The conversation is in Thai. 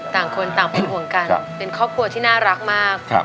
ต่างคนต่างเป็นห่วงกันเป็นครอบครัวที่น่ารักมาก